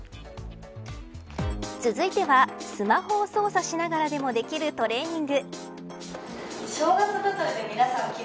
続いては、スマホを操作しながらでもできるトレーニング。